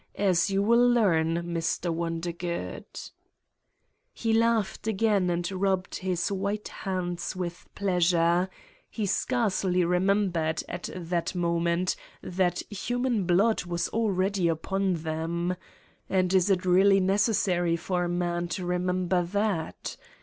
. as you will learn, Mr. Wondergood. " He laughed again and rubbed his white hands with pleasure: he scarcely remembered at that 173 Satan's Diary moment that human blood was already upon them. And is it really necessary for man to remember that?